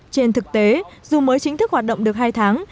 trên thực tế dù mới chính thức hoạt động được hai tháng